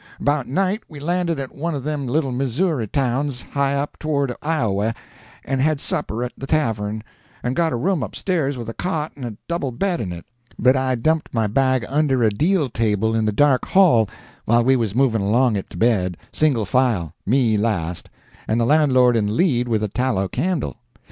About night we landed at one of them little Missouri towns high up toward Iowa, and had supper at the tavern, and got a room upstairs with a cot and a double bed in it, but I dumped my bag under a deal table in the dark hall while we was moving along it to bed, single file, me last, and the landlord in the lead with a tallow candle.